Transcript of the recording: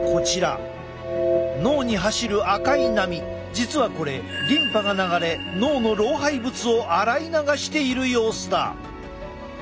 実はこれリンパが流れ脳の老廃物を洗い流している様子だ。